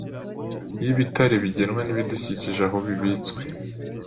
yibitare bigenwa nibidukikije aho bibitswe